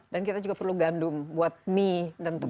dan kita juga perlu gandum buat mie dan tepung dan lain sebagainya